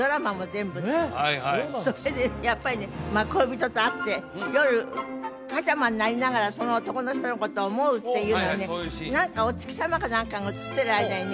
それでやっぱりね恋人と会って夜パジャマになりながらその男の人のことを思うっていうのはねお月様か何かが映ってる間にね